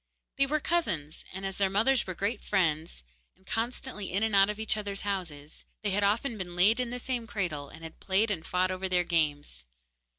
They were cousins, and as their mothers were great friends, and constantly in and out of each other's houses, they had often been laid in the same cradle, and had played and fought over their games.